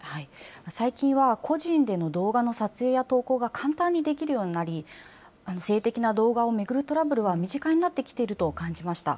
最近は、個人での動画の撮影や投稿が簡単にできるようになり、性的な動画を巡るトラブルは身近になってきていると感じました。